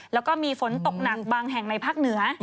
แล้วก็มีฝนตกหนักบางแห่งในภาคเหนือ